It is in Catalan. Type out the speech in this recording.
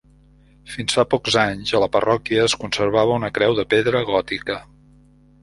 Fins fa pocs anys a la parròquia es conservava una creu de pedra gòtica.